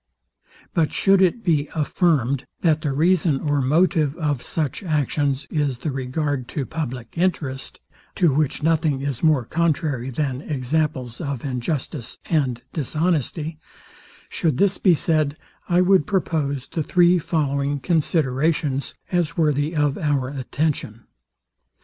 But should it be affirmed, that the reason or motive of such actions is the regard to publick interest, to which nothing is more contrary than examples of injustice and dishonesty; should this be said, I would propose the three following considerations, as worthy of our attention.